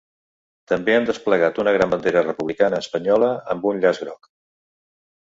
També han desplegat una gran bandera republicana espanyola amb un llaç groc.